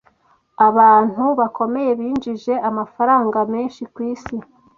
abantu bakomeye binjije amafaranga menshi ku Isi